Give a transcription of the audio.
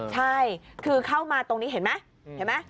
ใช่คือเข้ามาตรงนี้เห็นไหม